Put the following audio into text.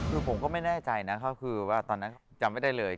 คือผมก็ไม่แน่ใจนะก็คือว่าตอนนั้นจำไม่ได้เลย